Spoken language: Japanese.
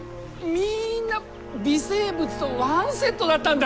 みんな微生物とワンセットだったんだ。